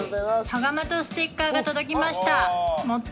羽釜とステッカーが届きました。